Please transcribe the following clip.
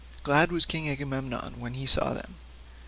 Glad was King Agamemnon when he saw them.